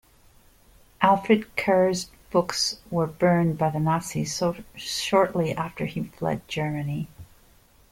Alfred Kerr's books were burned by the Nazis shortly after he fled Germany.